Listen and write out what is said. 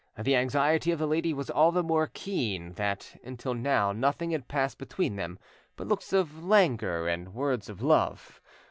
The anxiety of the lady was all the more keen, that until now nothing had passed between them but looks of languor and words of love.